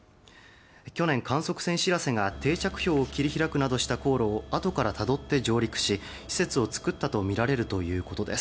去年、観測船「しらせ」が定着氷を切り開くなどした航路をあとからたどって上陸し施設を作ったとみられるということです。